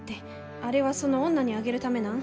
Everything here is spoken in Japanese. あれはその女にあげるためなん。